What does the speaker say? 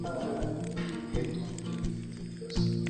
uhe tom ibyo dufite byose